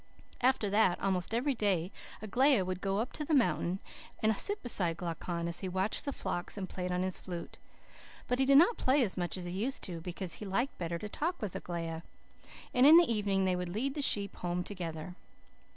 "After that, almost every day Aglaia would go up the mountain and sit beside Glaucon, as he watched the flocks and played on his flute. But he did not play as much as he used to, because he liked better to talk with Aglaia. And in the evening they would lead the sheep home together.